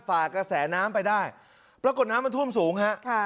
ฝ่ากระแสน้ำไปได้ปรากฏน้ำมันท่วมสูงฮะค่ะ